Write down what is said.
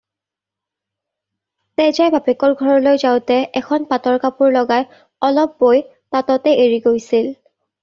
তেজাই বাপেকৰ ঘৰলৈ যাওঁতে এখন পাটৰ কাপোৰ লগাই অলপ বৈ তাঁততে এৰি গৈছিল।